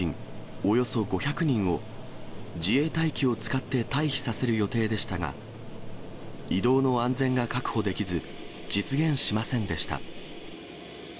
およそ５００人を、自衛隊機を使って退避させる予定でしたが、移動の安全が確保できず、実現しませんでした。